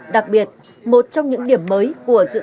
đặc biệt một trong những điểm mới của dự án